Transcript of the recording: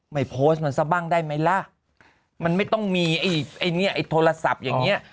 ไม่โพสต์มันซะบ้างได้ไหมล่ะมันไม่ต้องมีไอ้ไอ้เนี้ยไอ้โทรศัพท์อย่างเงี้ย